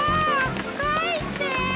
返して！